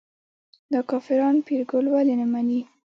دا کافران پیرګل ولې نه مني.